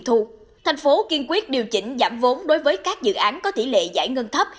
thành phố kiên quyết điều chỉnh giảm vốn đối với các dự án có tỷ lệ giải ngân thấp